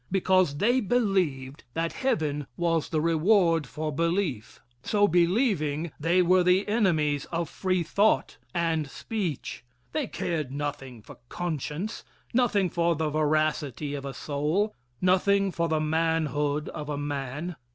Because they believed that heaven was the reward for belief. So believing, they were the enemies of free thought and speech they cared nothing for conscience, nothing for the veracity of a soul, nothing for the manhood of a man.